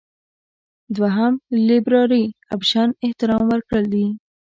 دوهم لېبرالي اپشن احترام ورکړل دي.